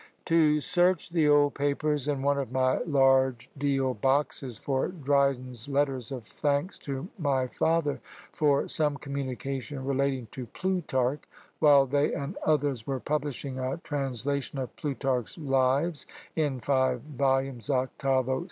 To search the old papers in one of my large deal boxes for Dryden's letter of thanks to my father, for some communication relating to Plutarch, while they and others were publishing a translation of Plutarch's Lives, in five volumes 8vo.